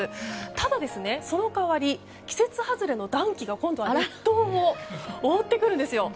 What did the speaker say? ただ、その代わり季節外れの暖気が今度は列島を覆ってくるんですよ。